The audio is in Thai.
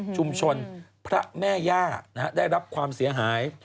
ชุมชนพระแม่ย่านะฮะได้รับความเสียหาย